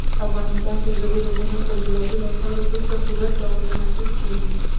افغانستان کې ژبې د هنر په بېلابېلو اثارو کې په پوره ډول منعکس کېږي.